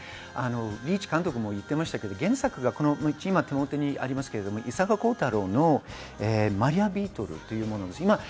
リーチ監督も言っていましたが原作がこの今、手元にありますが、伊坂幸太郎の『マリアビートル』というものです。